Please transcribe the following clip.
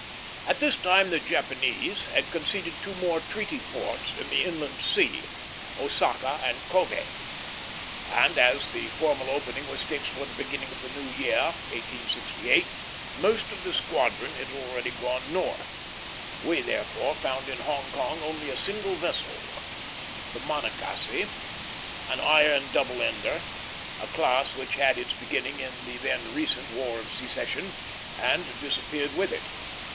At this time the Japanese had conceded two more treaty ports, in the Inland Sea Osaka and Kobé; and as the formal opening was fixed for the beginning of the new year 1868 most of the squadron had already gone north. We therefore found in Hong Kong only a single vessel, the Monocacy, an iron double ender; a class which had its beginning in the then recent War of Secession, and disappeared with it.